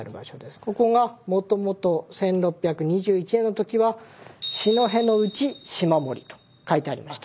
ここがもともと１６２１年の時は「四戸之内嶋森」と書いてありました。